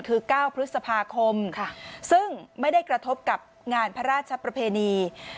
คือ๙พฤษภาคมซึ่งไม่ได้กระทบกับงานพระราชประเพณี